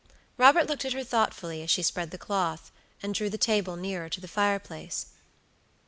Robert looked at her thoughtfully as she spread the cloth, and drew the table nearer to the fireplace.